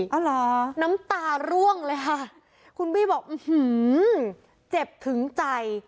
เอาเหรอน้ำตาร่วงเลยค่ะคุณบี้บอกอื้อหือเจ็บถึงใจ